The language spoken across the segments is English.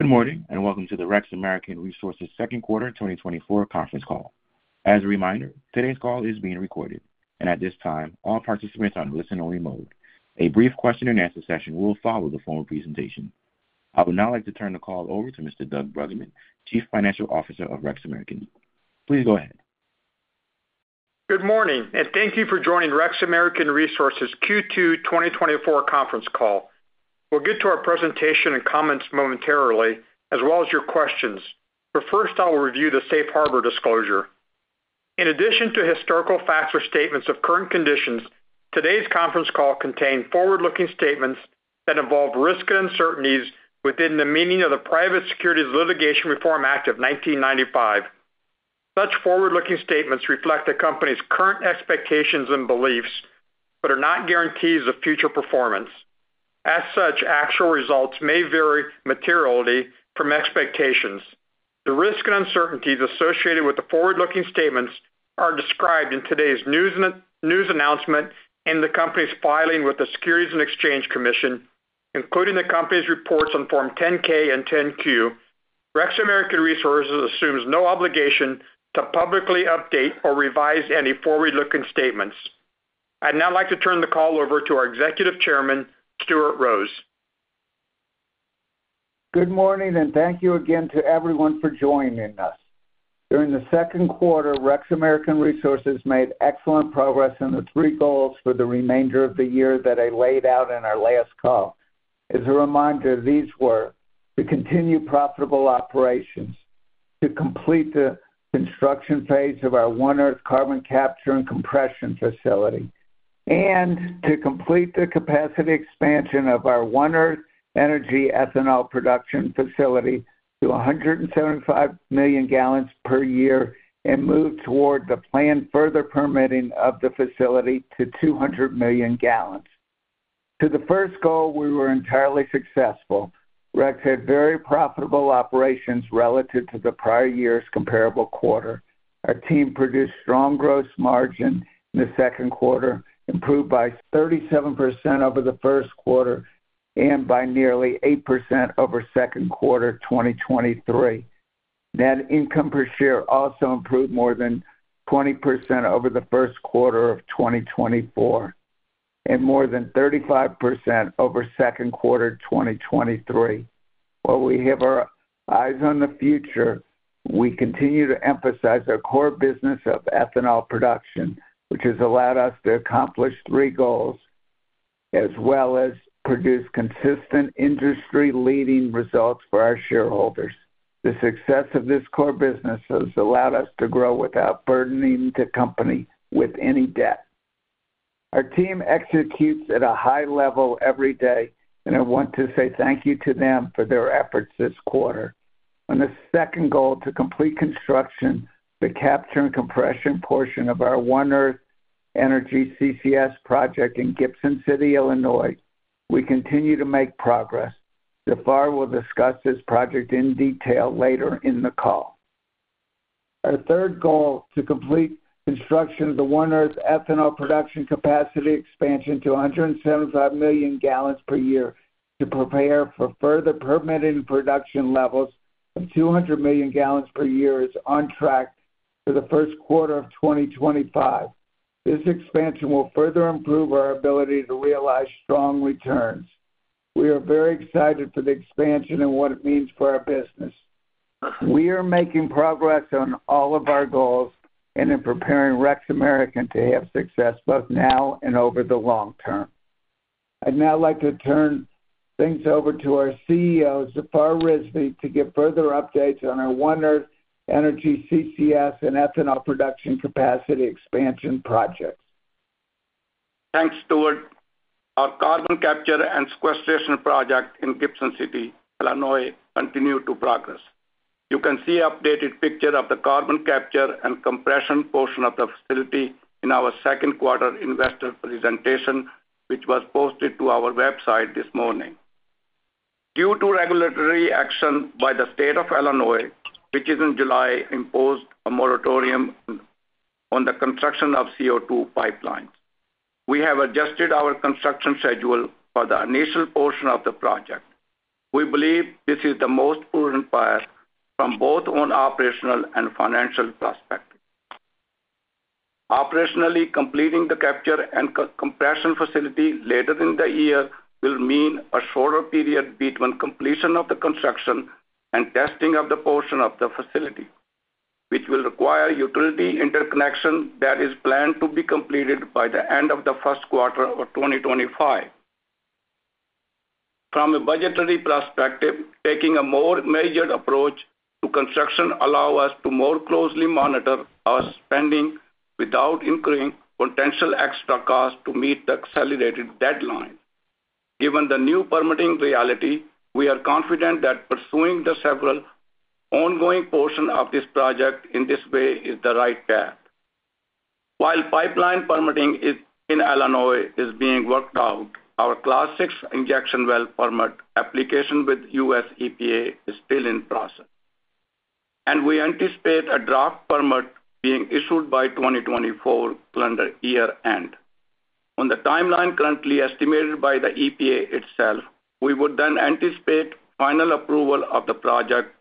Good morning, and welcome to the Rex American Resources second quarter 2024 conference call. As a reminder, today's call is being recorded, and at this time, all participants are on listen-only mode. A brief question-and-answer session will follow the formal presentation. I would now like to turn the call over to Mr. Doug Bruggeman, Chief Financial Officer of Rex American. Please go ahead. Good morning, and thank you for joining Rex American Resources Q2 2024 conference call. We'll get to our presentation and comments momentarily, as well as your questions, but first, I will review the safe harbor disclosure. In addition to historical facts or statements of current conditions, today's conference call contain forward-looking statements that involve risks and uncertainties within the meaning of the Private Securities Litigation Reform Act of 1995. Such forward-looking statements reflect the company's current expectations and beliefs, but are not guarantees of future performance. As such, actual results may vary materially from expectations. The risks and uncertainties associated with the forward-looking statements are described in today's news announcement and the company's filing with the Securities and Exchange Commission, including the company's reports on Form 10-K and 10-Q. Rex American Resources assumes no obligation to publicly update or revise any forward-looking statements. I'd now like to turn the call over to our Executive Chairman, Stuart Rose. Good morning, and thank you again to everyone for joining us. During the second quarter, Rex American Resources made excellent progress on the three goals for the remainder of the year that I laid out in our last call. As a reminder, these were: to continue profitable operations, to complete the construction phase of our One Earth carbon capture and compression facility, and to complete the capacity expansion of our One Earth Energy ethanol production facility to 175 million gallons per year and move toward the planned further permitting of the facility to 200 million gallons. To the first goal, we were entirely successful. Rex had very profitable operations relative to the prior year's comparable quarter. Our team produced strong gross margin in the second quarter, improved by 37% over the first quarter and by nearly 8% over second quarter 2023. Net income per share also improved more than 20% over the first quarter of 2024 and more than 35% over second quarter 2023. While we have our eyes on the future, we continue to emphasize our core business of ethanol production, which has allowed us to accomplish three goals, as well as produce consistent, industry-leading results for our shareholders. The success of this core business has allowed us to grow without burdening the company with any debt. Our team executes at a high level every day, and I want to say thank you to them for their efforts this quarter. On the second goal, to complete construction, the capture and compression portion of our One Earth Energy CCS project in Gibson City, Illinois, we continue to make progress. Zafar will discuss this project in detail later in the call. Our third goal, to complete construction of the One Earth Energy ethanol production capacity expansion to a hundred and seventy-five million gallons per year to prepare for further permitting production levels of two hundred million gallons per year, is on track for the first quarter of 2025. This expansion will further improve our ability to realize strong returns. We are very excited for the expansion and what it means for our business. We are making progress on all of our goals and in preparing Rex American to have success both now and over the long term. I'd now like to turn things over to our CEO, Zafar Rizvi, to give further updates on our One Earth Energy, CCS, and ethanol production capacity expansion projects. Thanks, Stuart. Our carbon capture and sequestration project in Gibson City, Illinois, continues to progress. You can see updated picture of the carbon capture and compression portion of the facility in our second quarter investor presentation, which was posted to our website this morning. Due to regulatory action by the state of Illinois, which, in July, imposed a moratorium on the construction of CO2 pipelines, we have adjusted our construction schedule for the initial portion of the project. We believe this is the most prudent path from both an operational and financial perspective. Operationally, completing the capture and compression facility later in the year will mean a shorter period between completion of the construction and testing of the portion of the facility, which will require utility interconnection that is planned to be completed by the end of the first quarter of 2025. From a budgetary perspective, taking a more measured approach to construction allow us to more closely monitor our spending without incurring potential extra costs to meet the accelerated deadline. Given the new permitting reality, we are confident that pursuing the several ongoing portion of this project in this way is the right path. While pipeline permitting in Illinois is being worked out, our Class VI injection well permit application with U.S. EPA is still in process, and we anticipate a draft permit being issued by 2024 calendar year-end. On the timeline currently estimated by the EPA itself, we would then anticipate final approval of the project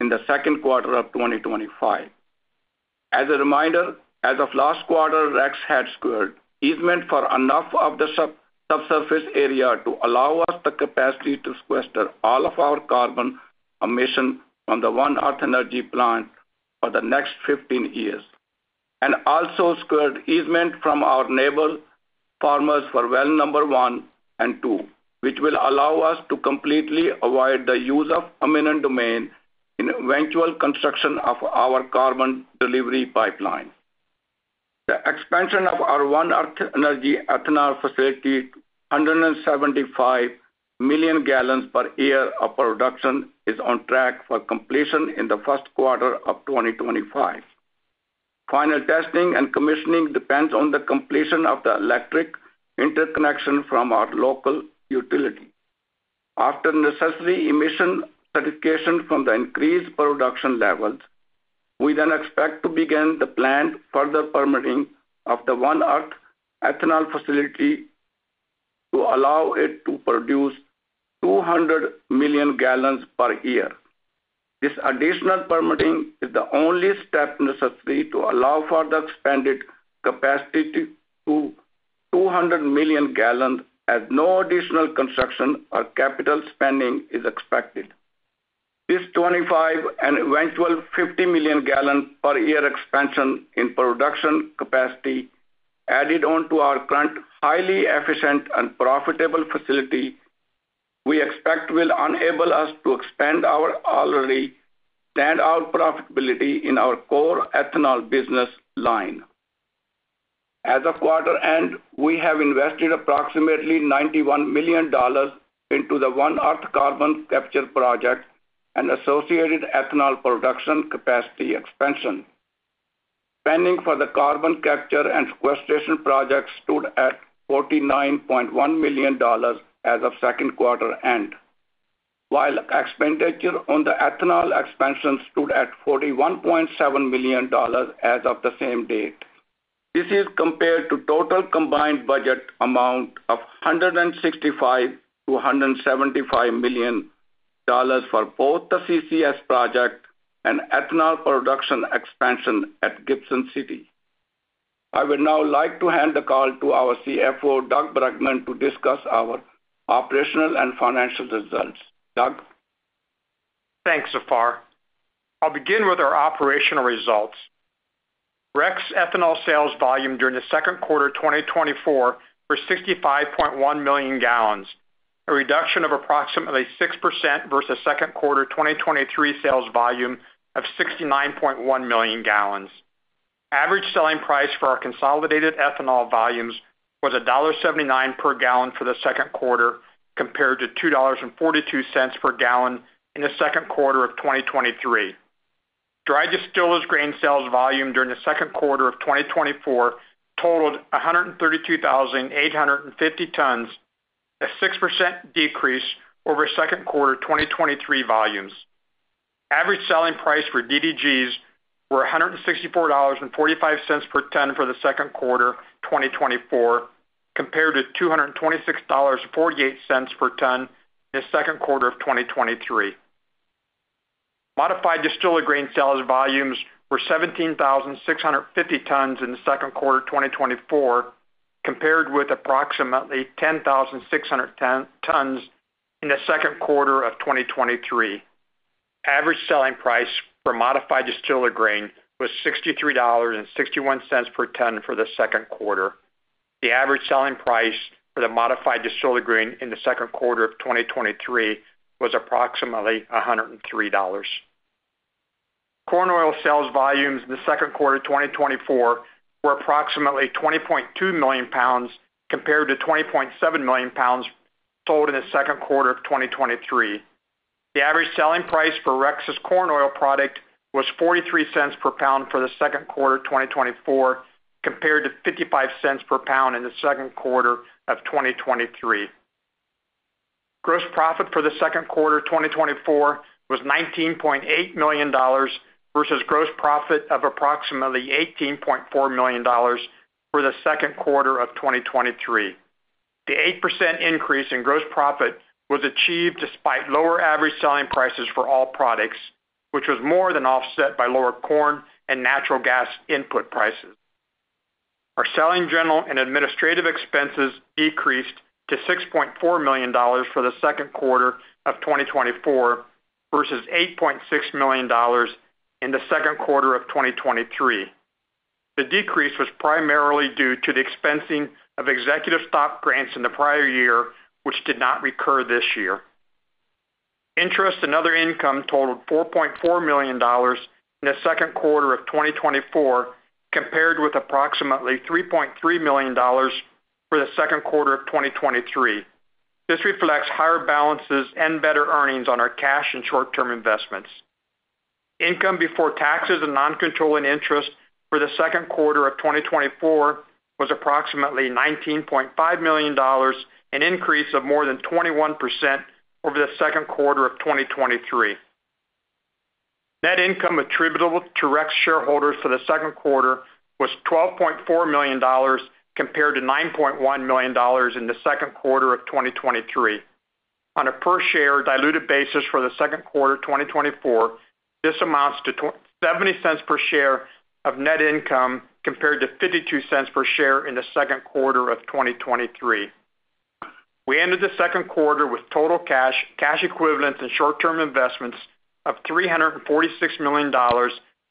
in the second quarter of 2025. As a reminder, as of last quarter, Rex had secured easement for enough of the subsurface area to allow us the capacity to sequester all of our carbon emission on the One Earth Energy plant for the next fifteen years, and also secured easement from our neighboring farmers for well number one and two, which will allow us to completely avoid the use of eminent domain in eventual construction of our carbon delivery pipeline. The expansion of our One Earth Energy ethanol facility, hundred and seventy-five million gallons per year of production, is on track for completion in the first quarter of 2025. Final testing and commissioning depends on the completion of the electric interconnection from our local utility. After necessary emission certification from the increased production levels, we then expect to begin the planned further permitting of the One Earth ethanol facility to allow it to produce 200 million gallons per year. This additional permitting is the only step necessary to allow for the expanded capacity to 200 million gallons, as no additional construction or capital spending is expected. This 25 and eventual 50 million gallon per year expansion in production capacity, added on to our current highly efficient and profitable facility, we expect will enable us to expand our already stand out profitability in our core ethanol business line. As of quarter end, we have invested approximately $91 million into the One Earth carbon capture project and associated ethanol production capacity expansion. Spending for the carbon capture and sequestration project stood at $49.1 million as of second quarter end, while expenditure on the ethanol expansion stood at $41.7 million as of the same date. This is compared to total combined budget amount of $165-$175 million for both the CCS project and ethanol production expansion at Gibson City. I would now like to hand the call to our CFO, Doug Bruggeman, to discuss our operational and financial results. Doug? Thanks, Zafar. I'll begin with our operational results. Rex ethanol sales volume during the second quarter 2024 was 65.1 million gallons, a reduction of approximately 6% versus second quarter 2023 sales volume of 69.1 million gallons. Average selling price for our consolidated ethanol volumes was $1.79 per gallon for the second quarter, compared to $2.42 per gallon in the second quarter of 2023. Dry distillers grain sales volume during the second quarter of 2024 totaled 132,850 tons, a 6% decrease over second quarter 2023 volumes. Average selling price for DDGs were $164.45 per ton for the second quarter 2024, compared to $226.48 per ton in the second quarter of 2023. Modified distillers grain sales volumes were 17,650 tons in the second quarter 2024, compared with approximately 10,610 tons in the second quarter of 2023. Average selling price for modified distillers grain was $63.61 per ton for the second quarter. The average selling price for the modified distillers grain in the second quarter of 2023 was approximately $103. Corn oil sales volumes in the second quarter 2024 were approximately 20.2 million pounds, compared to 20.7 million pounds sold in the second quarter of 2023. The average selling price for Rex's corn oil product was $0.43 per pound for the second quarter 2024, compared to $0.55 per pound in the second quarter of 2023. Gross profit for the second quarter 2024 was $19.8 million, versus gross profit of approximately $18.4 million for the second quarter of 2023. The 8% increase in gross profit was achieved despite lower average selling prices for all products, which was more than offset by lower corn and natural gas input prices. Our selling, general, and administrative expenses decreased to $6.4 million for the second quarter of 2024, versus $8.6 million in the second quarter of 2023. The decrease was primarily due to the expensing of executive stock grants in the prior year, which did not recur this year. Interest and other income totaled $4.4 million in the second quarter of 2024, compared with approximately $3.3 million for the second quarter of 2023. This reflects higher balances and better earnings on our cash and short-term investments. Income before taxes and non-controlling interest for the second quarter of 2024 was approximately $19.5 million, an increase of more than 21% over the second quarter of 2023. Net income attributable to Rex shareholders for the second quarter was $12.4 million, compared to $9.1 million in the second quarter of 2023. On a per-share diluted basis for the second quarter of 2024, this amounts to seventy cents per share of net income, compared to fifty-two cents per share in the second quarter of 2023. We ended the second quarter with total cash, cash equivalents, and short-term investments of $346 million,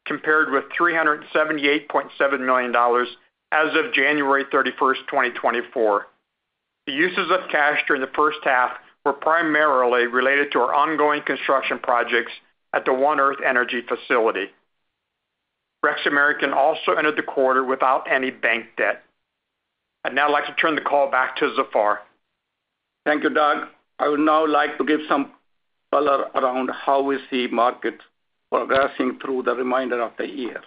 compared with $378.7 million as of January 31, 2024. The uses of cash during the first half were primarily related to our ongoing construction projects at the One Earth Energy facility. Rex American also ended the quarter without any bank debt. I'd now like to turn the call back to Zafar. Thank you, Doug. I would now like to give some color around how we see market progressing through the remainder of the year.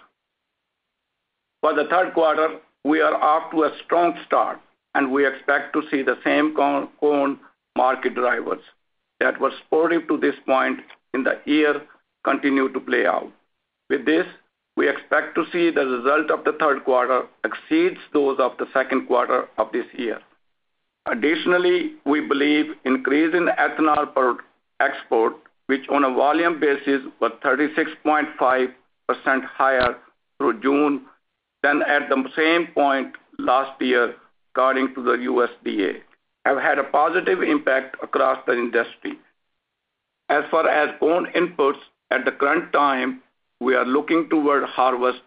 For the third quarter, we are off to a strong start, and we expect to see the same corn market drivers that were supportive to this point in the year continue to play out. With this, we expect to see the result of the third quarter exceeds those of the second quarter of this year. Additionally, we believe increasing ethanol exports, which on a volume basis, was 36.5% higher through June than at the same point last year, according to the USDA, have had a positive impact across the industry. As far as corn inputs, at the current time, we are looking toward harvest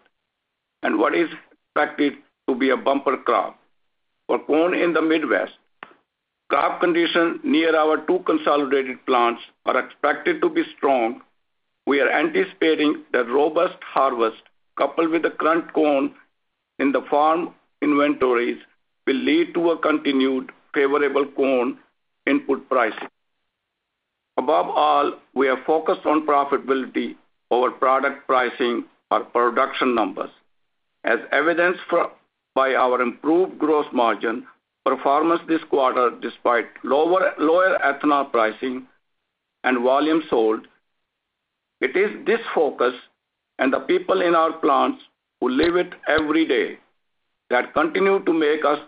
and what is expected to be a bumper crop. For corn in the Midwest, crop conditions near our two consolidated plants are expected to be strong. We are anticipating that robust harvest, coupled with the current corn in the farm inventories, will lead to a continued favorable corn input pricing. Above all, we are focused on profitability over product pricing or production numbers, as evidenced by our improved gross margin performance this quarter, despite lower ethanol pricing and volume sold. It is this focus and the people in our plants who live it every day, that continue to make us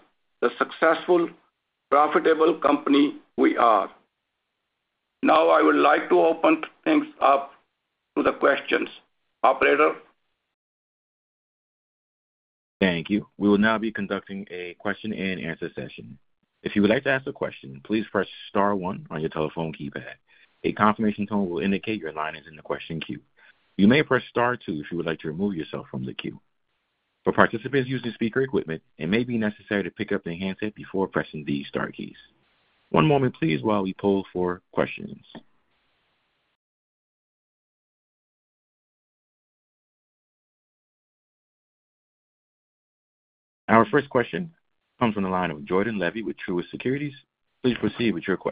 the successful, profitable company we are. Now, I would like to open things up to the questions. Operator? Thank you. We will now be conducting a question-and-answer session. If you would like to ask a question, please press star one on your telephone keypad. A confirmation tone will indicate your line is in the question queue. You may press star two if you would like to remove yourself from the queue. For participants using speaker equipment, it may be necessary to pick up the handset before pressing the star keys. One moment, please, while we poll for questions. Our first question comes from the line of Jordan Levy with Truist Securities. Please proceed with your que-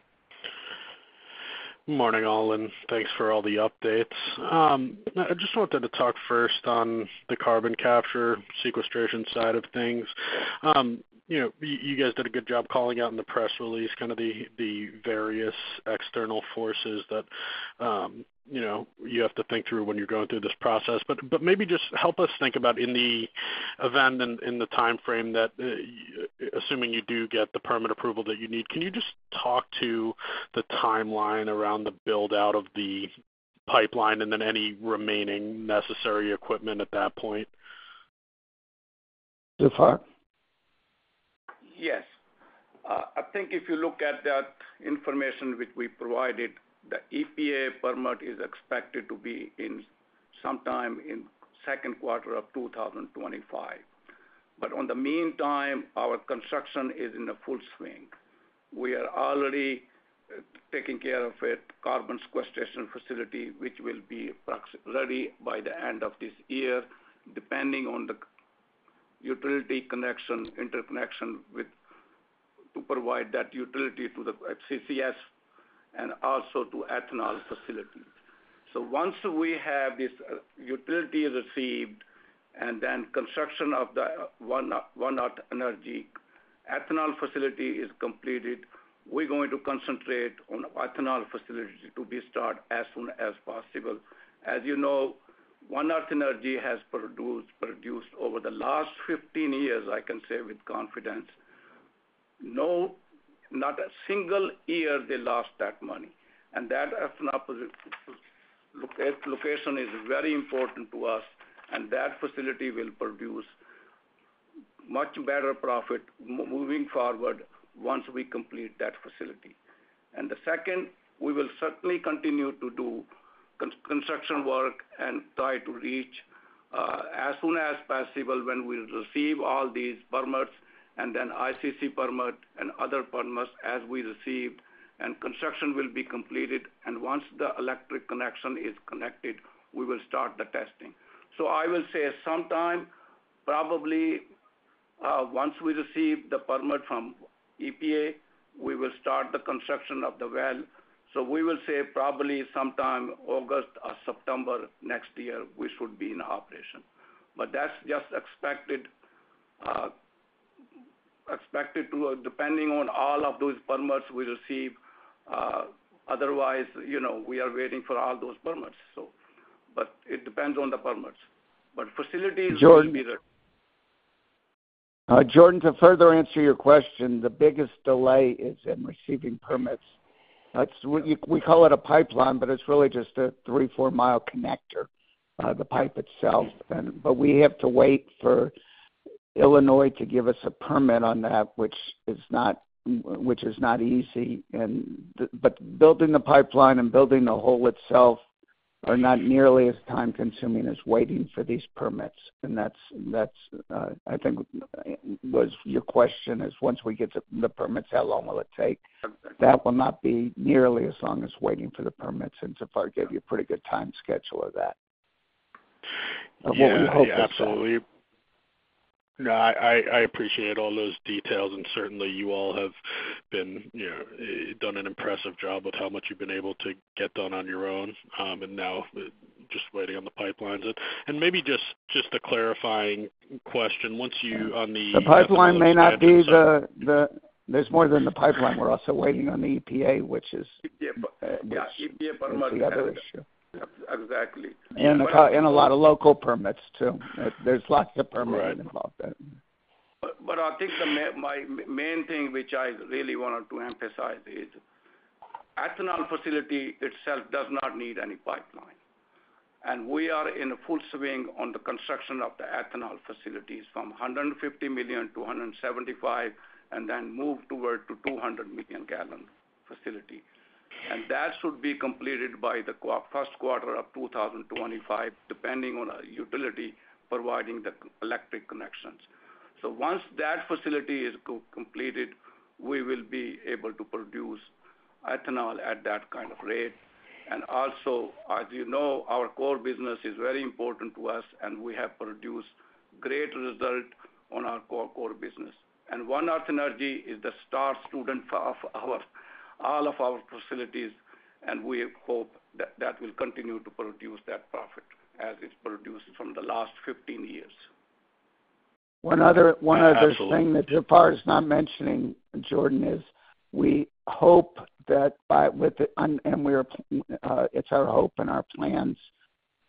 Morning, all, and thanks for all the updates. I just wanted to talk first on the carbon capture sequestration side of things. You know, you guys did a good job calling out in the press release, kind of the various external forces that, you know, you have to think through when you're going through this process. But maybe just help us think about in the event and in the timeframe that, assuming you do get the permit approval that you need, can you just talk to the timeline around the build-out of the pipeline and then any remaining necessary equipment at that point? Zafar? Yes. I think if you look at that information which we provided, the EPA permit is expected to be in sometime in second quarter of 2025. But in the meantime, our construction is in full swing. We are already taking care of it, carbon sequestration facility, which will be approximately by the end of this year, depending on the utility connection, interconnection with to provide that utility to the CCS and also to ethanol facilities. So once we have this utility received, and then construction of the One Earth Energy ethanol facility is completed, we're going to concentrate on ethanol facility to be start as soon as possible. As you know, One Earth Energy has produced over the last fifteen years, I can say with confidence, not a single year they lost that money. And that ethanol plant location is very important to us, and that facility will produce much better profit margins moving forward once we complete that facility. And the second, we will certainly continue to do construction work and try to reach as soon as possible, when we'll receive all these permits, and then ICC permit and other permits as we receive, and construction will be completed, and once the electric connection is connected, we will start the testing. So I will say sometime, probably, once we receive the permit from EPA, we will start the construction of the well. So we will say probably sometime August or September next year, we should be in operation. But that's just expected to, depending on all of those permits we receive. Otherwise, you know, we are waiting for all those permits, so. But it depends on the permits. But facilities- Jordan. Jordan, to further answer your question, the biggest delay is in receiving permits. That's. We call it a pipeline, but it's really just a three- or four-mile connector, the pipe itself. But we have to wait for Illinois to give us a permit on that, which is not easy. But building the pipeline and building the hole itself are not nearly as time-consuming as waiting for these permits. And that's, I think, was your question, is once we get the permits, how long will it take? That will not be nearly as long as waiting for the permits, and Zafar gave you a pretty good time schedule of that. But what we hope is that- Yeah, absolutely. No, I appreciate all those details, and certainly you all have been, you know, done an impressive job with how much you've been able to get done on your own, and now just waiting on the pipelines. And maybe just a clarifying question. Once you on the- The pipeline may not be the... There's more than the pipeline. We're also waiting on the EPA, which is- EPA, yeah, EPA permit. Which is the other issue. Exactly. And a lot of local permits, too. There's lots of permitting involved there. I think the main thing, which I really wanted to emphasize, is the ethanol facility itself does not need any pipeline, and we are in full swing on the construction of the ethanol facilities from 150 million to 175 million, and then move toward 200 million gallon facility. That should be completed by the first quarter of 2025, depending on our utility providing the electric connections. Once that facility is completed, we will be able to produce ethanol at that kind of rate. As you know, our core business is very important to us, and we have produced great result on our core business. One Earth Energy is the star student of all of our facilities, and we hope that that will continue to produce that profit as it's produced from the last fifteen years. One other thing- Absolutely. that Zafar is not mentioning, Jordan, is we hope that by, with the... And we are, it's our hope and our plans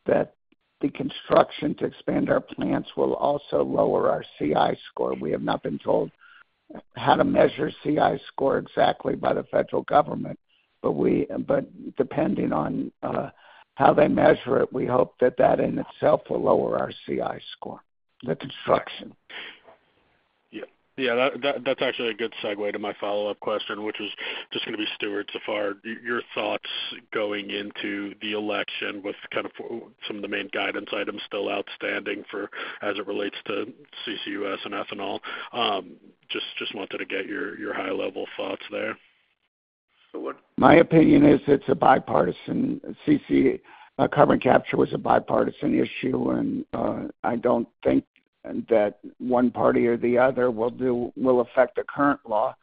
that the construction to expand our plants will also lower our CI score. We have not been told how to measure CI score exactly by the federal government, but we, but depending on, how they measure it, we hope that that in itself will lower our CI score, the construction. Yeah. That's actually a good segue to my follow-up question, which is just gonna be, Stuart, Zafar, your thoughts going into the election with kind of some of the main guidance items still outstanding for as it relates to CCUS and ethanol. Just wanted to get your high-level thoughts there. Stuart? My opinion is it's a bipartisan carbon capture was a bipartisan issue, and I don't think that one party or the other will affect the current law.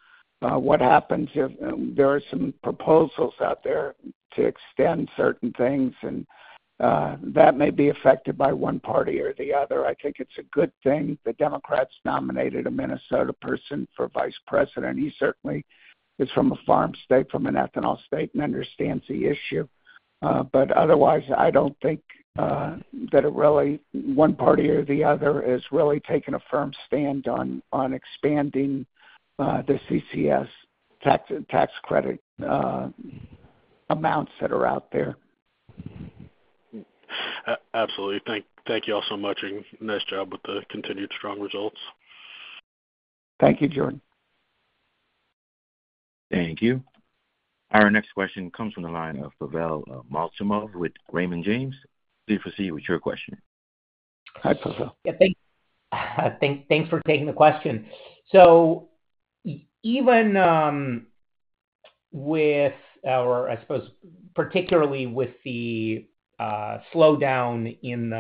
What happens if there are some proposals out there to extend certain things, and that may be affected by one party or the other. I think it's a good thing the Democrats nominated a Minnesota person for vice president. He certainly is from a farm state, from an ethanol state, and understands the issue, but otherwise, I don't think that it really, one party or the other, is really taking a firm stand on expanding the CCS tax credit amounts that are out there. Absolutely. Thank you all so much, and nice job with the continued strong results. Thank you, Jordan. Thank you. Our next question comes from the line of Pavel Molchanov with Raymond James. Please proceed with your question. Hi, Pavel. Yeah, thanks for taking the question. So even with, or I suppose, particularly with the slowdown in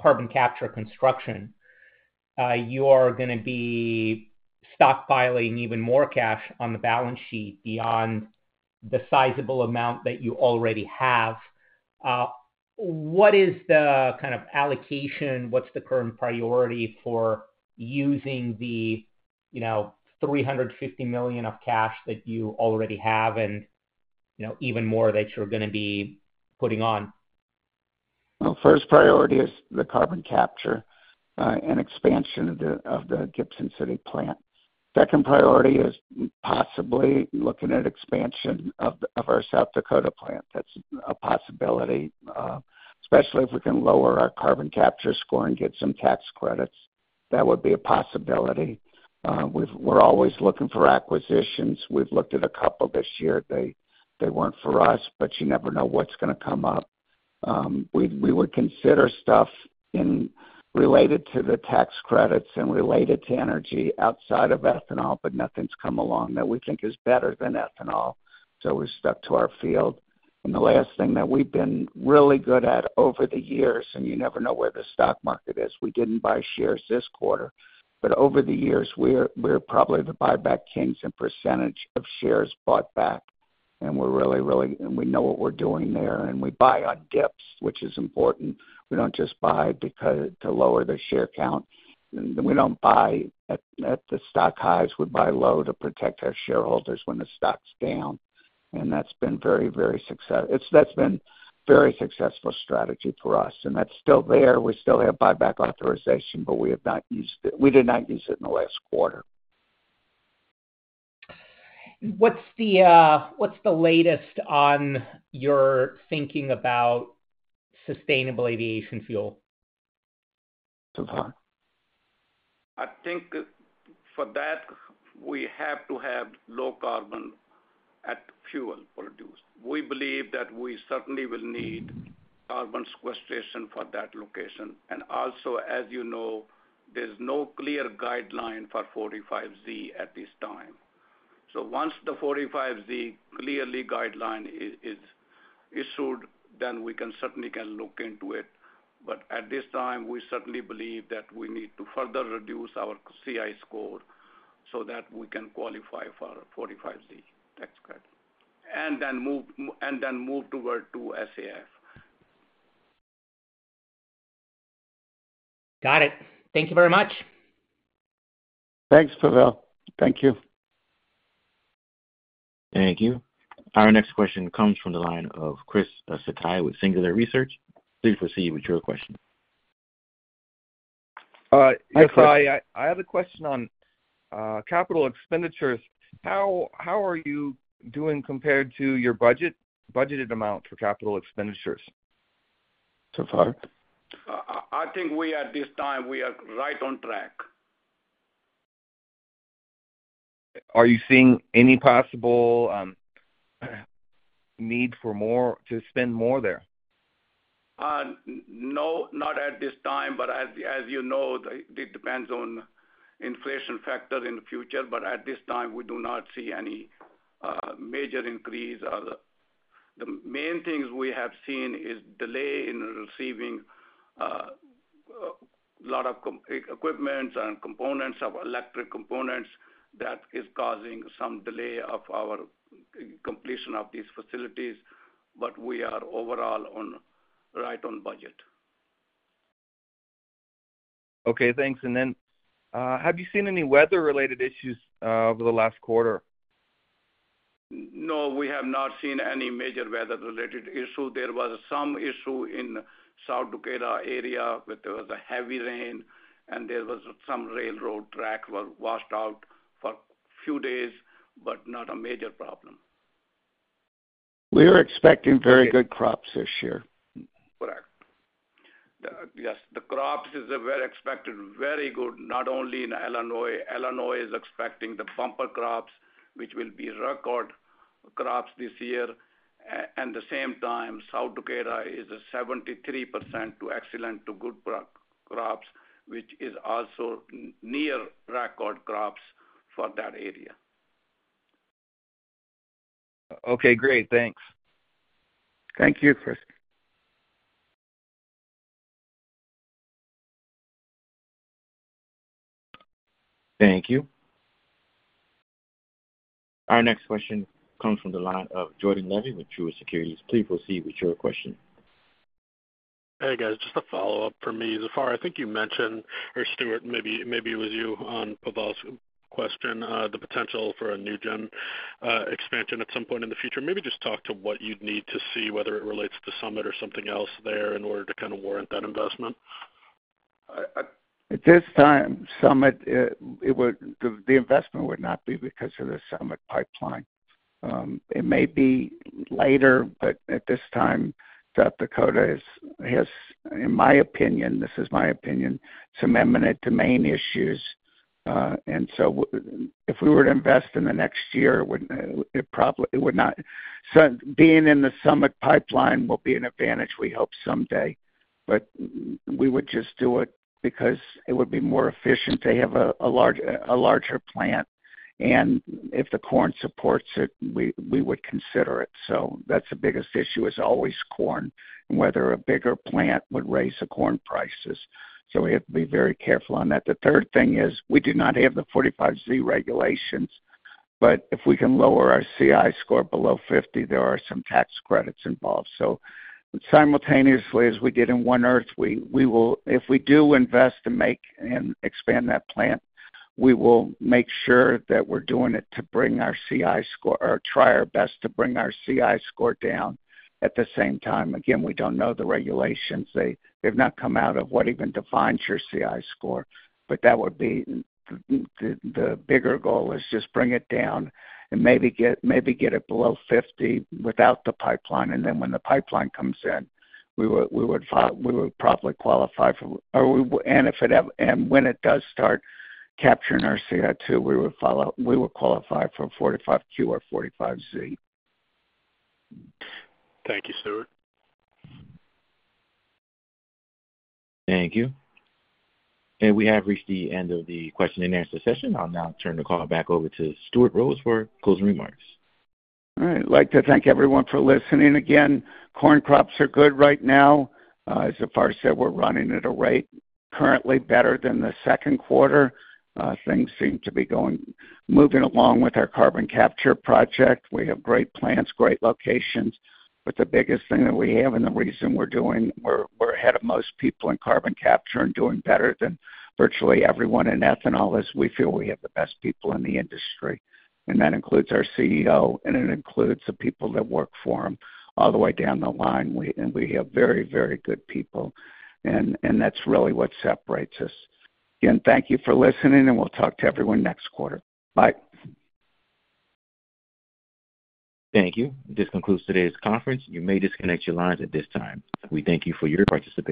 carbon capture construction, you are gonna be stockpiling even more cash on the balance sheet beyond the sizable amount that you already have. What is the kind of allocation, what's the current priority for using the, you know, $350 million of cash that you already have and, you know, even more that you're gonna be putting on? First priority is the carbon capture and expansion of the Gibson City plant. Second priority is possibly looking at expansion of our South Dakota plant. That's a possibility, especially if we can lower our carbon capture score and get some tax credits. That would be a possibility. We're always looking for acquisitions. We've looked at a couple this year. They weren't for us, but you never know what's gonna come up. We would consider stuff related to the tax credits and related to energy outside of ethanol, but nothing's come along that we think is better than ethanol, so we're stuck to our field. And the last thing that we've been really good at over the years, and you never know where the stock market is. We didn't buy shares this quarter, but over the years, we're probably the buyback kings in percentage of shares bought back... and we're really, and we know what we're doing there, and we buy on dips, which is important. We don't just buy because to lower the share count, and we don't buy at the stock highs. We buy low to protect our shareholders when the stock's down, and that's been very successful strategy for us, and that's still there. We still have buyback authorization, but we have not used it. We did not use it in the last quarter. What's the latest on your thinking about sustainable aviation fuel? Zafar? I think for that, we have to have low-carbon fuel produced. We believe that we certainly will need carbon sequestration for that location. And also, as you know, there's no clear guideline for 45Z at this time. So once the 45Z clear guideline is issued, then we can certainly look into it. But at this time, we certainly believe that we need to further reduce our CI score so that we can qualify for 45Z tax credit, and then move toward SAF. Got it. Thank you very much. Thanks, Pavel. Thank you. Thank you. Our next question comes from the line of Chris Sakai with Singular Research. Please proceed with your question. Yes, hi. I have a question on capital expenditures. How are you doing compared to your budgeted amount for capital expenditures? Zafar? I think we are at this time, we are right on track. Are you seeing any possible need for more to spend more there? No, not at this time, but as you know, it depends on inflation factor in the future. But at this time, we do not see any major increase. The main things we have seen is delay in receiving a lot of components, equipment and components, of electric components. That is causing some delay of our completion of these facilities, but we are overall on right on budget. Okay, thanks. And then, have you seen any weather-related issues over the last quarter? No, we have not seen any major weather-related issue. There was some issue in South Dakota area, where there was a heavy rain and there was some railroad track was washed out for few days, but not a major problem. We are expecting very good crops this year. Correct. Yes, the crops are very expected, very good, not only in Illinois. Illinois is expecting the bumper crops, which will be record crops this year. And at the same time, South Dakota is at 73% excellent to good crop progress, which is also near record crops for that area. Okay, great. Thanks. Thank you, Chris. Thank you. Our next question comes from the line of Jordan Levy with Truist Securities. Please proceed with your question. Hey, guys, just a follow-up for me. Zafar, I think you mentioned, or Stuart, maybe it was you on Pavel's question, the potential for a NuGen expansion at some point in the future. Maybe just talk to what you'd need to see, whether it relates to Summit or something else there, in order to kind of warrant that investment. At this time, Summit, the investment would not be because of the Summit pipeline. It may be later, but at this time, South Dakota has, in my opinion, some eminent domain issues. And so if we were to invest in the next year, it would not, so being in the Summit pipeline will be an advantage, we hope someday. But we would just do it because it would be more efficient to have a larger plant. And if the corn supports it, we would consider it. That's the biggest issue, is always corn and whether a bigger plant would raise the corn prices. We have to be very careful on that. The third thing is we do not have the 45Z regulations, but if we can lower our CI score below 50, there are some tax credits involved. So simultaneously, as we did in One Earth, we will. If we do invest to make and expand that plant, we will make sure that we're doing it to bring our CI score, or try our best to bring our CI score down at the same time. Again, we don't know the regulations. They've not come out with what even defines your CI score, but that would be... The bigger goal is just bring it down and maybe get it below 50 without the pipeline. And then when the pipeline comes in, we would qualify. We would probably qualify for... Or, and when it does start capturing our CI, too, we would follow. We would qualify for 45Q or 45Z. Thank you, Stuart. Thank you. We have reached the end of the question-and-answer session. I'll now turn the call back over to Stuart Rose for closing remarks. All right. I'd like to thank everyone for listening. Again, corn crops are good right now. As Zafar said, we're running at a rate currently better than the second quarter. Things seem to be going, moving along with our carbon capture project. We have great plants, great locations, but the biggest thing that we have and the reason we're ahead of most people in carbon capture and doing better than virtually everyone in ethanol is we feel we have the best people in the industry, and that includes our CEO, and it includes the people that work for him all the way down the line. We have very, very good people, and that's really what separates us. Again, thank you for listening, and we'll talk to everyone next quarter. Bye. Thank you. This concludes today's conference. You may disconnect your lines at this time. We thank you for your participation.